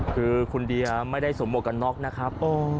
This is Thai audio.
คือคุณดีอะไม่ได้สมบัติกับน็อกนะครับ